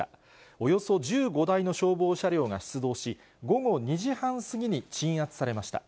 およそ１５台の消防車両が出動し、午後２時半過ぎに鎮圧されました。